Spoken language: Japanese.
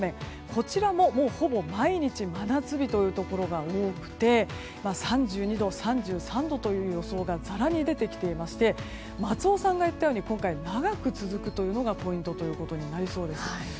こちらも、ほぼ毎日真夏日というところが多くて３２度、３３度という予想がざらに出てきていまして松尾さんが言ったように今回、長く続くのがポイントとなりそうです。